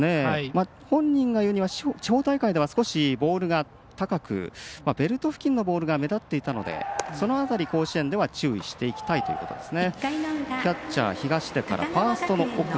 本人が言うには地方大会では少しボールが高くベルト付近のボールが目立っていたので、甲子園では注意していきたいということでね。